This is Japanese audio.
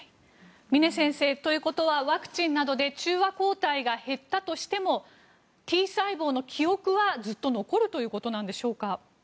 峰先生ということはワクチンなどで中和抗体が減ったとしてもＴ細胞の記憶はずっと残るということなんでしょうか？